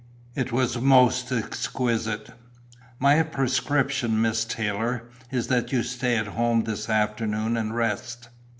It was most exquisite." "My prescription, Miss Taylor, is that you stay at home this afternoon and rest."